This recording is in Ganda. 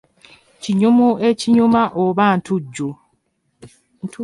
Kinyumu ekinyuma oba ntujjo.